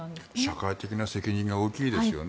社会的な責任が大きいですよね。